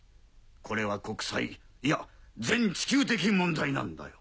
これは国際いや全地球的問題なんだよ。